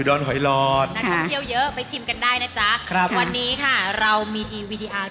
โต๊ะออฟฟิชครับมี๒โต๊ะ